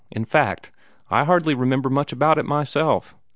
In fact, I hardly remember much about it now myself.